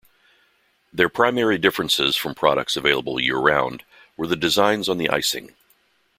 Their primary differences from products available year-round were the designs on the icing.